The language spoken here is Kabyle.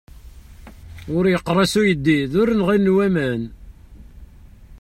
Ur yeqqers uyeddid ur nɣilen waman.